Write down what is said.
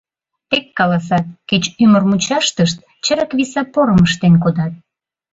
Тек каласат, кеч ӱмыр мучаштышт чырык виса порым ыштен кодат.